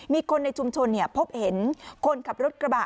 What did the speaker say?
มีคนในชุมชนพบเห็นคนขับรถกระบะ